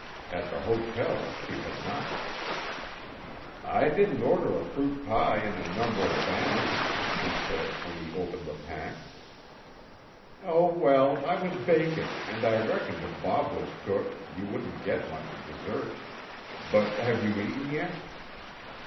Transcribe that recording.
At the hotel she had not. "I didn't order a fruit pie and a number of bannocks," he said when he opened the pack. "Oh, well, I was baking, and I reckoned if Bob was cook, you wouldn't get much dessert. But have you eaten yet?"